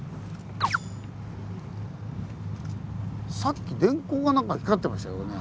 さっき電光がなんか光ってましたけどね。